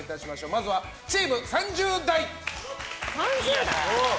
まずはチーム３０代。